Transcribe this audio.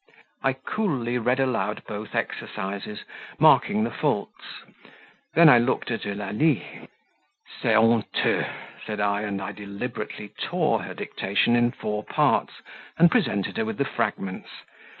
I coolly read aloud both exercises, marking the faults then I looked at Eulalie: "C'est honteux!" said I, and I deliberately tore her dictation in four parts, and presented her with the fragments.